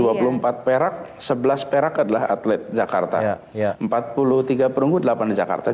dua puluh empat perak sebelas perak adalah atlet jakarta empat puluh tiga perunggu delapan di jakarta